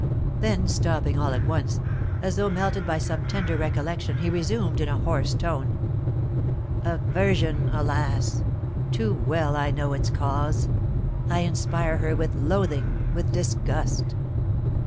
Then, stopping all at once, as though melted by some tender recollection, he resumed, in a hoarse tone, "Aversion! Alas! too well I know its cause. I inspire her with loathing, with disgust!"